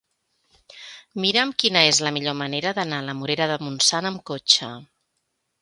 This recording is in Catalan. Mira'm quina és la millor manera d'anar a la Morera de Montsant amb cotxe.